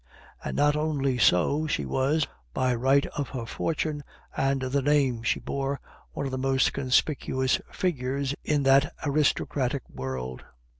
And not only so, she was, by right of her fortune, and the name she bore, one of the most conspicuous figures in that aristocratic world.